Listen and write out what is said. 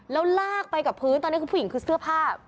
แล้วลากไปกับพื้นตอนนี้คือผู้หญิงคือเสื้อผ้า